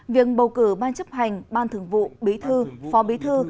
việc bầu cử ban chấp hành ban thường vụ bí thư phó bí thư